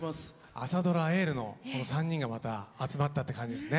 朝ドラ「エール」の３人がまた集まったって感じですね。